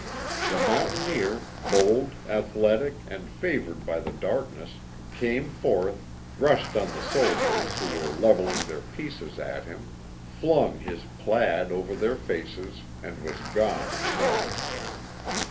The n'.auntainecr, bold, athletic, and favored by the darkness, came foith. rushed on the soldiers who were levelling their pieces at hiin, fltmg his plaid over their faces and was gone in a moment.